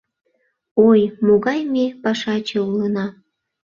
— Ой, могай ме пашаче улына!